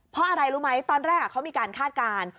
เพราะอะไรรู้ไหมตอนแรกเขามีการคาดการณ์